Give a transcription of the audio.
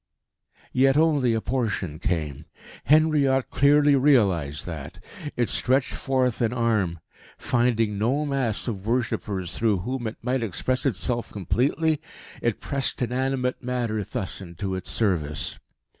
Yet only a portion came. Henriot clearly realised that. It stretched forth an arm. Finding no mass of worshippers through whom it might express itself completely, it pressed inanimate matter thus into its service.